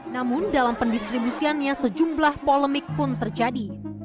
namun dalam pendistribusiannya sejumlah polemik pun terjadi